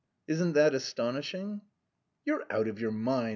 Isn't that astonishing?" "You're out of your mind!"